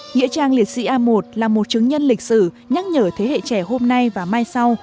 nghĩa trang liệt sĩ a một là một chứng nhân lịch sử nhắc nhở thế hệ trẻ hôm nay và mai sau